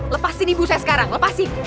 lepasin ibu saya sekarang lepasin